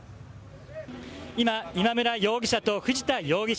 今、今村容疑者と藤田容疑者